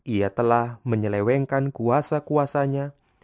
ia telah menyelewengkan kuasa kuasanya